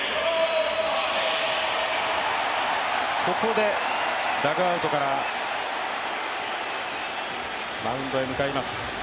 ここでダグアウトからマウンドへ向かいます。